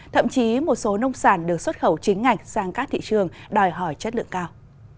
thậm chí một số nông sản được xuất khẩu chính ngạch sang các thị trường đòi hỏi chất lượng cao